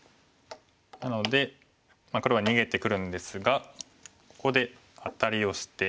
なので黒は逃げてくるんですがここでアタリをして。